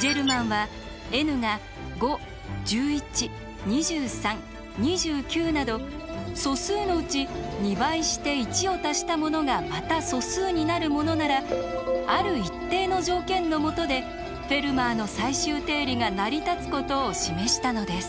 ジェルマンはｎが「５１１２３２９」など素数のうち２倍して１を足したものがまた素数になるものならある一定の条件のもとで「フェルマーの最終定理」が成り立つことを示したのです。